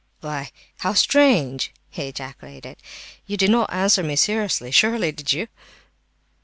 "Why, how strange!" he ejaculated. "You didn't answer me seriously, surely, did you?"